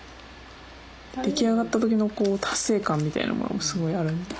出来上がった時の達成感みたいのがすごいあるんで。